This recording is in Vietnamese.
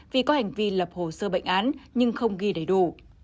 vì có hành vi lập hồ sơ bệnh án nhưng không ghi đầy đủ